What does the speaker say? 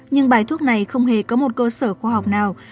nhưng bài thuốc này không hề có một cơ sở khoa học nào